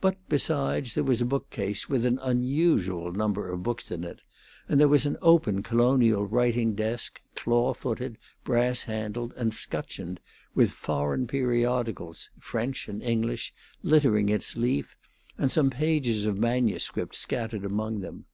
But, besides, there was a bookcase with an unusual number of books in it, and there was an open colonial writing desk, claw footed, brass handled, and scutcheoned, with foreign periodicals French and English littering its leaf, and some pages of manuscript scattered among them.